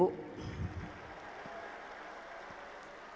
aneh kan ibu